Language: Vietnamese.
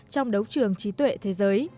trong đấu trường trí tuệ thế giới